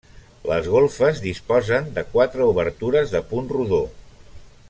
Les golfes disposen de quatre obertures de punt rodó.